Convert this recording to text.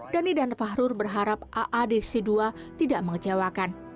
dhani dan fahrur berharap aadc dua tidak mengecewakan